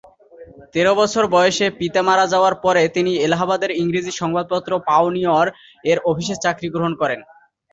তের বছর বয়সে পিতা মারা যাওয়ার পরে তিনি এলাহাবাদের ইংরেজি সংবাদপত্র "পাইওনিয়র"-এর অফিসে চাকরি গ্রহণ করেন।